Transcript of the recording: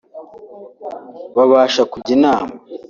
babasha kujya inama